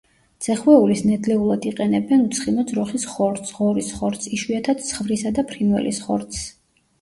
ძეხვეულის ნედლეულად იყენებენ უცხიმო ძროხის ხორცს, ღორის ხორცს, იშვიათად ცხვრისა და ფრინველის ხორცს.